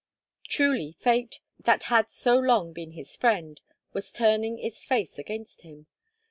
Truly Fate, that had so long been his friend, was turning its face against him.